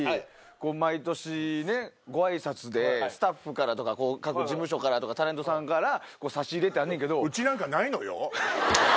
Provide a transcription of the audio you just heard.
毎年ご挨拶でスタッフからとか事務所からとかタレントさんから差し入れってあんねんけど。